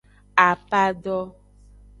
Apado.